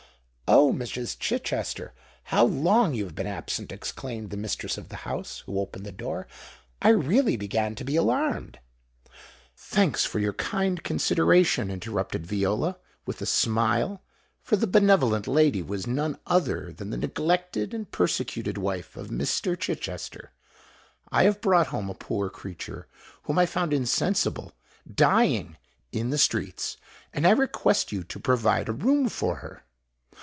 "Oh! Mrs. Chichester, how long you have been absent!" exclaimed the mistress of the house, who opened the door. "I really began to be alarmed—" "Thanks for your kind consideration," interrupted Viola, with a smile—for the benevolent lady was none other than the neglected and persecuted wife of Mr. Chichester. "I have brought home a poor creature, whom I found insensible—dying—in the streets; and I request you to provide a room for her."